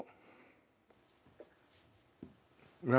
何？